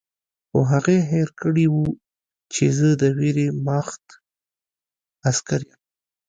خو هغې هېر کړي وو چې زه د ویرماخت عسکر یم